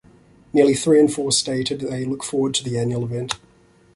Nearly three in four stated they look forward to the annual event.